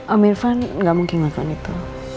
om irvan gak mungkin melakukan itu